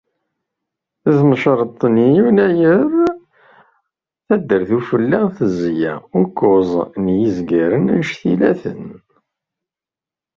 Deg tmecṛeḍt n yennayer, Taddart Ufella tezla ukkuẓ n yizgaren anect-ila-ten.